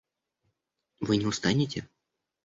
Вы не устанете?